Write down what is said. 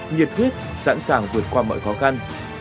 nhiệt huyết sẵn sàng vượt qua mọi khó khăn